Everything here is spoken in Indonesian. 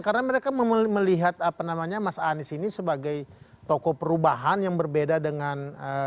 karena mereka melihat apa namanya mas anies ini sebagai toko perubahan yang berbeda dengan